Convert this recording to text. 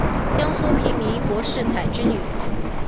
江苏平民柏士彩之女。